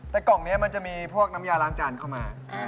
แต่กล่องนี้มันจะมีพวกน้ำยาล้างจานเอามา